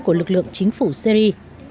của lực lượng chính phủ syri